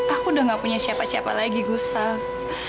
aku udah gak punya siapa siapa lagi gustaf